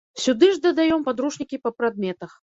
Сюды ж дадаём падручнікі па прадметах.